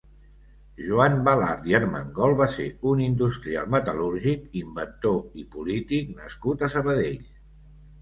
Joan Balart i Armengol va ser un industrial metal·lúrgic, inventor i polític nascut a Sabadell.